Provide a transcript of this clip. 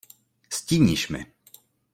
Stíníš mi.